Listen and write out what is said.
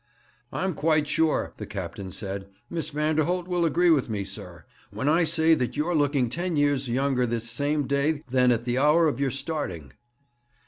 'I'm quite sure,' the captain said, 'Miss Vanderholt will agree with me, sir, when I say that you're looking ten years younger this same day than at the hour of your starting.'